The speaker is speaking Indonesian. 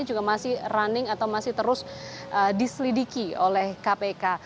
juga masih running atau masih terus diselidiki oleh kpk